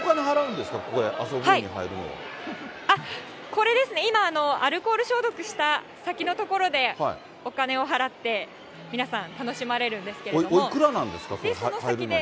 これですね、今、アルコール消毒した先のところでお金を払って、皆さん、おいくらなんですか？入るのに。